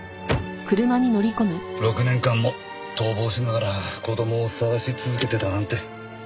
６年間も逃亡しながら子供を捜し続けてたなんて。